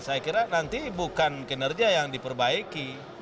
saya kira nanti bukan kinerja yang diperbaiki